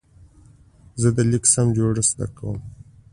زه د لیک سم جوړښت زده کوم.